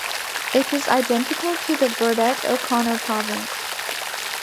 It is identical to the Burdett O'Connor Province.